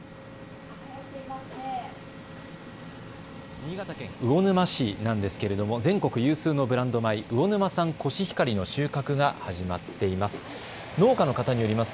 新潟県魚沼市なんですけれども全国有数のブランド米、魚沼産コシヒカリの収穫が始まっています。